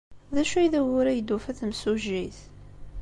D acu ay d ugur ay d-tufa timsujjit?